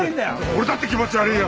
俺だって気持ち悪いよ！